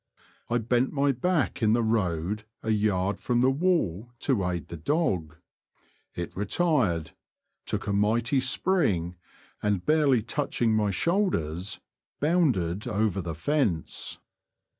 I bent my back in the road a yard from the wall to aid the dog. It retired, took a mighty spring, and barely touching my shoulders^ bounded over the fence.